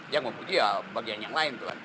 yang memuji ya bagian yang lain